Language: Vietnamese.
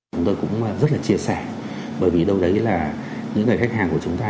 chúng tôi cũng rất là chia sẻ bởi vì đâu đấy là những người khách hàng của chúng ta